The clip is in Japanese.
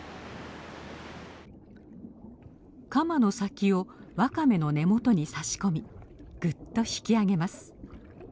鎌の先をワカメの根元に差し込みぐっと引き上げます。